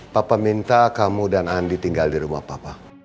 papa minta kamu dan andi tinggal di rumah papa